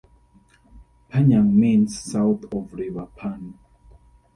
Panyang means south of River Pan.